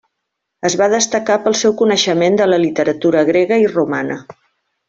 Es va destacar pel seu coneixement de la literatura grega i romana.